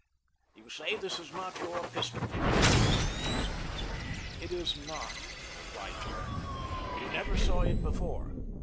"You say this is not your pistol?" asked the police officer. "It is not," replied Jimmy. "You never saw it before?"